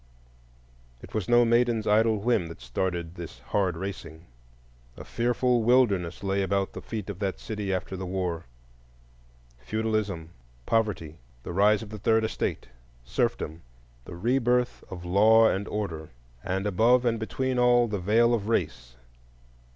It was no maiden's idle whim that started this hard racing; a fearful wilderness lay about the feet of that city after the War,—feudalism, poverty, the rise of the Third Estate, serfdom, the re birth of Law and Order, and above and between all, the Veil of Race.